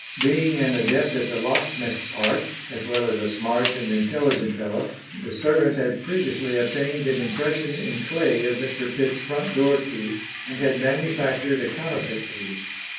Being an adept at the locksmith's art, as well as a smart and intelligent fellow, the servant had previously obtained an impression in clay of Mr. Pitt's front door key, and had manufactured a counterfeit key.